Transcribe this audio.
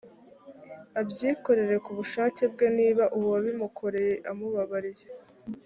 abyikoreye ku bushake bwe niba uwabimukoreye amubabariye